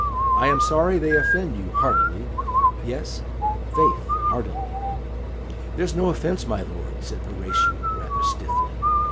"I am sorry they offend you, heartily yes, faith, heartily!" "There's no offence, my lord," said Horatio, rather stiffly.